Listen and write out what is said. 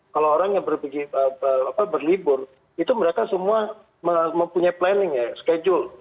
kalau orang yang berlibur itu mereka semua mempunyai planning ya schedule